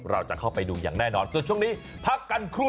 เราจะเข้าไปดูอย่างแน่นอนส่วนช่วงนี้พักกันครู่